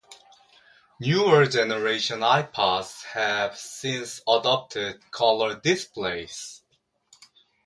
Newer-generation iPods have since adopted color displays.